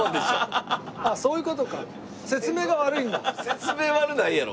説明悪ないやろ。